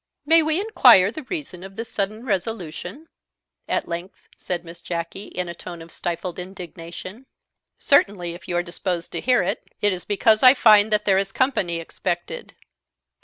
"May we inquire the reason of this sudden resolution?" at length said Miss Jacky in a tone of stifled indignation. "Certainly, if you are disposed to hear it; it is because I find that there is company expected."